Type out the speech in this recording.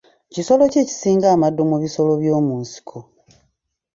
Kisolo ki ekisinga amaddu mu bisolo by'omu nsiko?